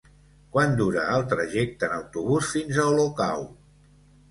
Quant dura el trajecte en autobús fins a Olocau?